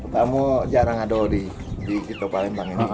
kamu jarang ada di kita paling panggil ini